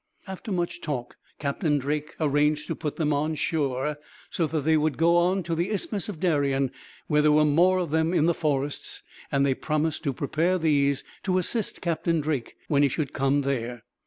After much talk, Captain Drake arranged to put them on shore, so that they would go on to the Isthmus of Darien, where there were more of them in the forests; and they promised to prepare these to assist Captain Drake, when he should come there.